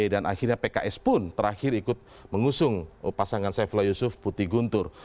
dan akhirnya pks pun terakhir ikut mengusung pasangan saifullah yusuf putih guntur